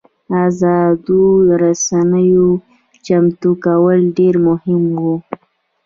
ازادو رسنیو چمتو کول ډېر مهم وو.